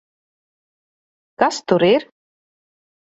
Kas tur ir?